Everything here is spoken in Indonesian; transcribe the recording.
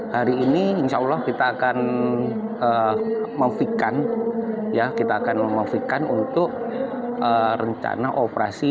hari ini insya allah kita akan memfikan untuk rencana operasi